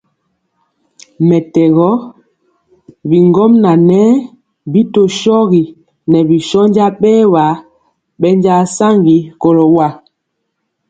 Mɛtɛgɔ gɔ, bigɔmŋa ŋɛɛ bi tɔ shogi ŋɛɛ bi shónja bɛɛwa bɛnja saŋgi kɔlo wa.